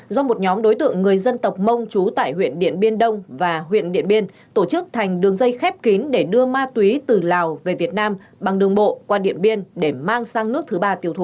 do một nhóm đối tượng người dân tộc mông trú tại huyện điện biên đông và huyện điện biên tổ chức thành đường dây khép kín để đưa ma túy từ lào về việt nam bằng đường bộ qua điện biên để mang sang nước thứ ba tiêu thụ